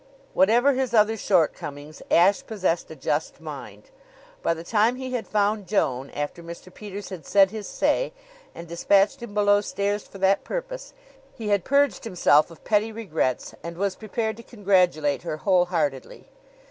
Whatever his other shortcomings, Ashe possessed a just mind. By the time he had found Joan, after Mr. Peters had said his say, and dispatched him below stairs for that purpose, he had purged himself of petty regrets and was prepared to congratulate her whole heartedly.